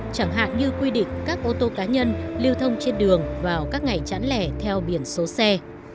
chẳng hạn như quy định các ô tô cá nhân lưu thông trên đường vào các ngày chẵn lẻ theo biển số xe